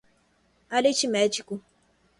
aritmético